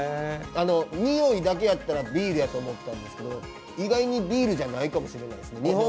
匂いだけやったら、ビールやと思ったんですけど意外にビールじゃないかもしれない。